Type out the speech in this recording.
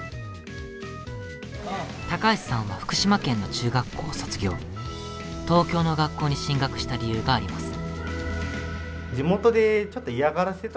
橋さんは福島県の中学校を卒業東京の学校に進学した理由があります。